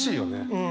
うん。